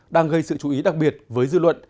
đang gây sự chú ý đặc biệt với dư luận